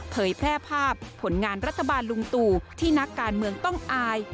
เผยแพร่ภาพผลงานรัฐบาลลุงตู่ที่นักการเมืองต้องอาย